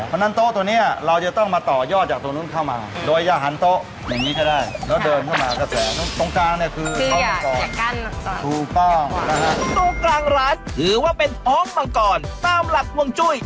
มันเป็นท้องแม่งกอห์นตามหลักภวงจุ้ย